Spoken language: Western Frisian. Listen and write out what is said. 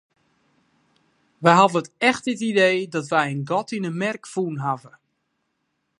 Wy hawwe echt it idee dat wy in gat yn 'e merk fûn hawwe.